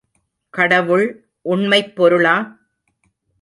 கடவுள் உண்மைப் பொருளா?